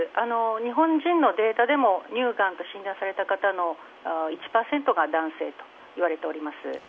日本人のデータでも乳がんと診断された方の１％が男性といわれております。